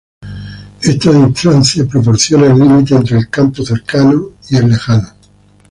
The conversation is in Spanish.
Esta distancia proporciona el límite entre el campo cercano y lejano.